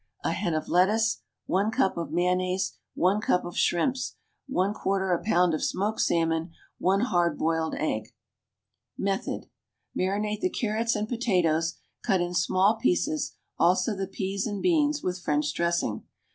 A head of lettuce. 1 cup of mayonnaise. 1 cup of shrimps. 1/4 a lb. of smoked salmon. 1 hard boiled egg. Method. Marinate the carrots and potatoes, cut in small pieces, also the peas and beans, with French dressing.